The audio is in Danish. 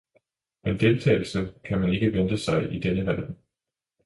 men deltagelse kan man ikke vente sig i denne verden!